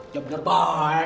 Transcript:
ya bener baik